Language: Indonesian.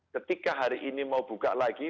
ketika hari ini mau buka lagi